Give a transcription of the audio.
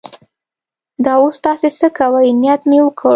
دا اوس تاسې څه کوئ؟ نیت مې وکړ.